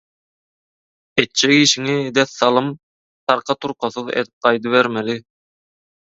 Etjek işiňi dessalym, tarka-turkasyz edip gaýdybermeli.